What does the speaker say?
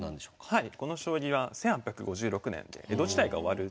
はい。